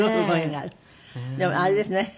でもあれですね。